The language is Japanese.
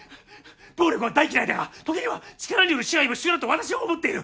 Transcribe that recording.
暴力は大嫌いだが時には力による支配は必要だと私は思っている。